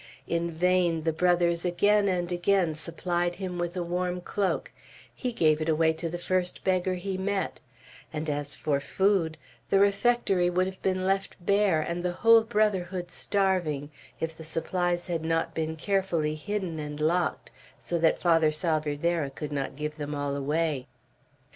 In vain the Brothers again and again supplied him with a warm cloak; he gave it away to the first beggar he met: and as for food, the refectory would have been left bare, and the whole brotherhood starving, if the supplies had not been carefully hidden and locked, so that Father Salvierderra could not give them all away.